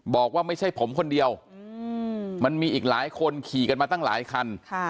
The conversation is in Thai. บอกว่าไม่ใช่ผมคนเดียวมันมีอีกหลายคนขี่กันมาตั้งหลายคัน